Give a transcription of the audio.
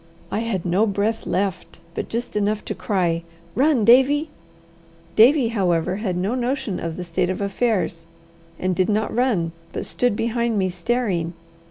I had no breath left but just enough to cry, "Run, Davie!" Davie, however, had no notion of the state of affairs, and did not run, but stood behind me staring.